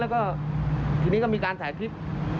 และก็ทีนี้ก็มีการหายพิภ